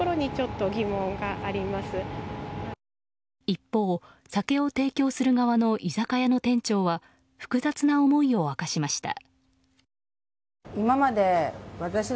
一方、酒を提供する側の居酒屋の店長は複雑な思いを明かしました。